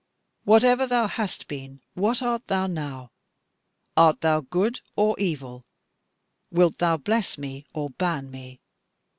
Whatever thou hast been, what art thou now? Art thou good or evil? Wilt thou bless me or ban me?